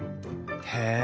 へえ！